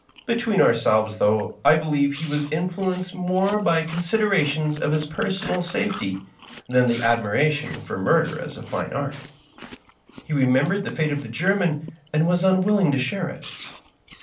Between ourselves, though, I believe he was influenced more by considerations of his personal safety than by admiration for murder as a fine art. He remembered the fate of the German, and was unwilliDg to share it."